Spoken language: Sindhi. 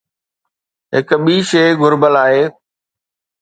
هڪ ٻي شيءِ گهربل آهي.